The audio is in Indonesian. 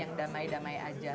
yang damai damai aja